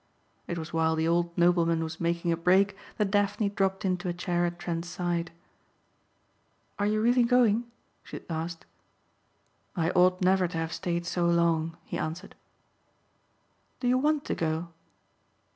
It was while the old nobleman was making a break that Daphne dropped into a chair at Trent's side. "Are you really going?" she asked. "I ought never to have stayed so long," he answered. "Do you want to go?"